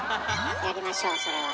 やりましょうそれは。